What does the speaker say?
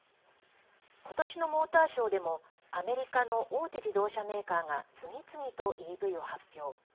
今年のモーターショーでもアメリカの大手自動車メーカーが次々とＥＶを発表。